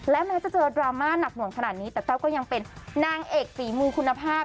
และแม้จะเจอดราม่าหนักหน่วงขนาดนี้แต่แต้วก็ยังเป็นนางเอกฝีมือคุณภาพ